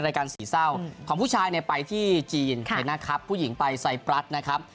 รายการสี่เส้าของผู้ชายในไปจีนใครนะครับผู้หญิงใต้ซัยบรรดินะครับ